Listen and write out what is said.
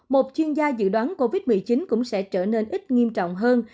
một chuyên gia dự đoán covid một mươi chín cũng sẽ trở nên ít nghiêm trọng hơn